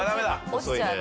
落ちちゃうね。